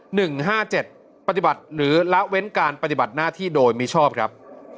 หนึ่งห้าเจ็ดปฏิบัติหรือละเว้นการปฏิบัติหน้าที่โดยมิชอบครับ